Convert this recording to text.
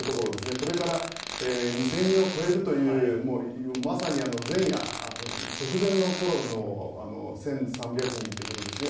これから２０００人を超えるというまさに前夜、直前の頃の１３００人ということですね。